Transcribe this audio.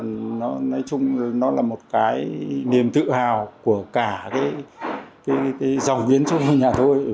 nói chung nó là một cái niềm tự hào của cả cái dòng kiến trúc của nhà tôi